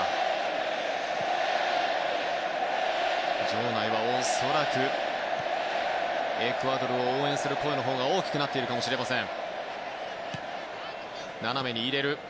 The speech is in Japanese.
場内は恐らくエクアドルを応援する声のほうが大きくなっているかもしれません。